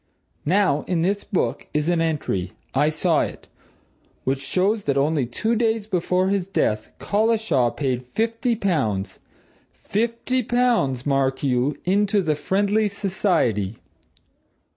Now, in this book is an entry I saw it which shows that only two days before his death, Collishaw paid fifty pounds fifty pounds, mark you! into the Friendly Society.